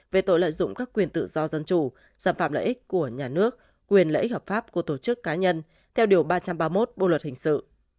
về tội lợi dụng các quyền tự do dân chủ xâm phạm lợi ích của nhà nước quyền lợi ích hợp pháp của tổ chức cá nhân theo điều ba trăm ba mươi một bộ luật hình sự